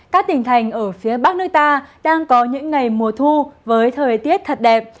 các tỉnh thành ở phía bắc nước ta đang có những ngày mùa thu với thời tiết thật đẹp